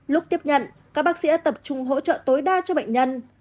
lúc tiếp nhận các bác sĩ tập trung hỗ trợ tối đa cho bệnh nhân